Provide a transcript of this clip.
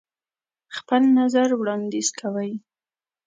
خپل نظر وړاندیز کوئ.